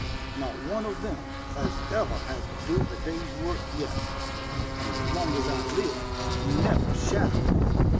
Not one of them has ever had to do a day's work yet, and as long as I live, never shall.